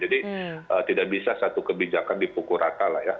jadi tidak bisa satu kebijakan dipukul rata lah ya